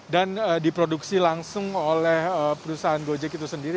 dan diproduksi langsung oleh perusahaan gojek itu sendiri